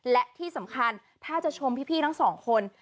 และที่สำคัญถ้าจะชมพี่ทั้งสองคน